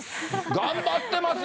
頑張ってますね。